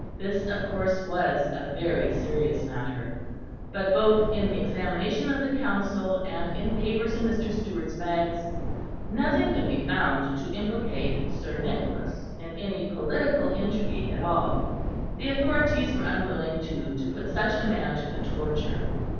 This of course was a very serious matter; but both in the examination of the Council, and in papers in Mr. Stewart's bags, nothing could be found to implicate Sir Nicholas in any political intrigue at all. The authorities were unwilling too to put such a man to the torture.